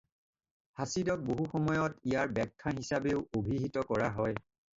হাদিছক বহুত সময়ত ইয়াৰ ব্যাখ্যা হিচাপেও অভিহিত কৰা হয়।